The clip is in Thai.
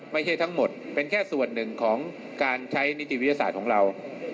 ไม่ใช่ทั้งหมดเป็นแค่ส่วนหนึ่งของการใช้นิติวิทยาศาสตร์ของเรา